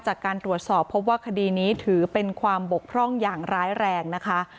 จากการตรวจสอบพบว่าคดีนี้ถือเป็นความบกพร่องอย่างร้ายแรงนะคะ